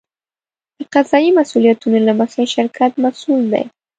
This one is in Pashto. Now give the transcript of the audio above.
د قضایي مسوولیتونو له مخې شرکت مسوول دی.